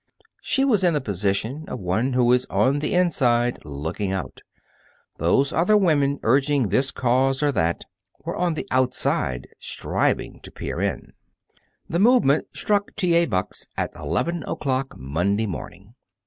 She was in the position of one who is on the inside, looking out. Those other women urging this cause or that were on the outside, striving to peer in. The Movement struck T. A. Buck's at eleven o'clock Monday morning.